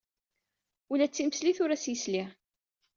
Ula d timesliwt ur as-yesli.